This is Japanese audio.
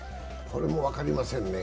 これも分かりませんね。